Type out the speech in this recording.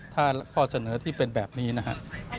ถ้าข้อเสนอที่เป็นแบบนี้นะครับ